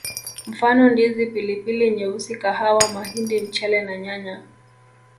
Mfano Ndizi Pilipili nyeusi kahawa mahindi mchele na nyanya